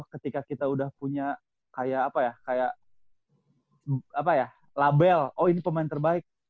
ketika kita udah punya kayak apa ya kayak apa ya label oh ini pemain terbaik